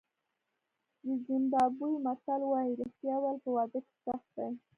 د زیمبابوې متل وایي رښتیا ویل په واده کې سخت دي.